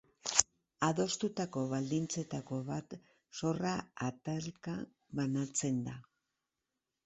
Adostutako baldintzetako bat zorra atalka banatzea da.